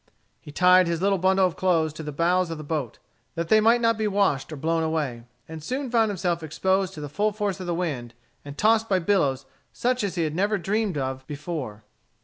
He tied his little bundle of clothes to the bows of the boat, that they might not be washed or blown away, and soon found himself exposed to the full force of the wind, and tossed by billows such as he had never dreamed of before.